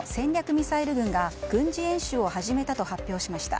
ミサイル軍が軍事演習を始めたと発表しました。